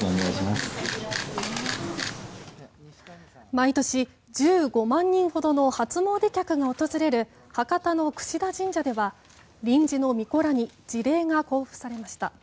毎年１５万人ほどの初詣客が訪れる博多の櫛田神社では臨時のみこらに辞令が交付されました。